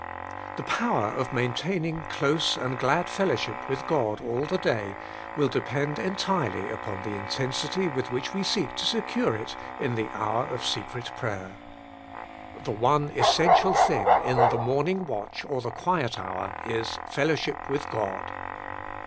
The power of maintaining close and glad fellowship with God all the day will depend entirely upon the intensity with which we seek to secure it in the hour of secret prayer. The one essential thing in the Morning Watch or the Quiet Hour is — Fellowship with God.